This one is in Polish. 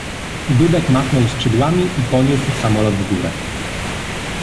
Dudek machnął skrzydłami i poniósł samolot w górę.